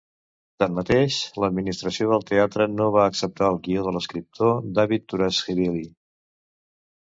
Tanmateix, l'administració del teatre no va acceptar el guió de l'escriptor David Turashvili.